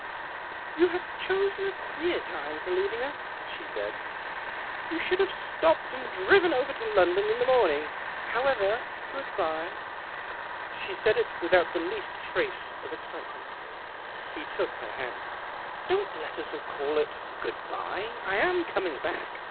" You have chosen a queer time for leaving us," she said. " You should have stopped THE OCTAVE OF CLAUDIUS. 133 and driven over to London in the morning. However, good bye." She said it without the least trace of excite ment. He took her hand. " Don't let us call it good bye. I am coming back.